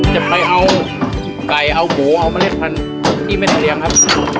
จะไปเอาไก่เอาหมูเอาเมล็ดพันธุ์ที่ไม่ได้เลี้ยงครับ